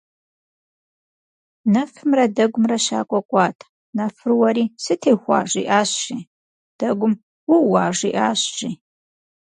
Нэфымрэ дэгумрэ щакӏуэ кӏуат. Нэфыр уэри: «сытехуа?» жиӏащ, жи. Дэгум: «ууа?» жиӏащ, жи.